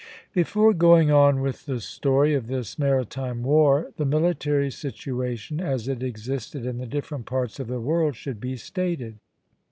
Before going on with the story of this maritime war, the military situation as it existed in the different parts of the world should be stated.